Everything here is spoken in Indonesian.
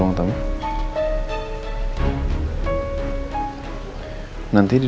ya tante medi